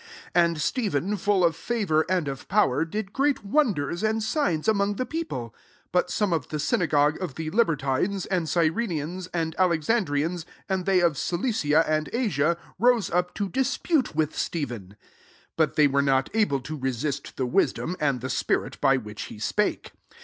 8 And Stephen, full of favour and of power, did great wonders and signs among the people. 9 But some of the synagogue of the Libertines, and Cyrenians, and Alexandrians* and they of Cilicia and Asia* rose up to dis* pute with Stephen. 10 But they were not able to resist the wis dom and the spirit by which he spake.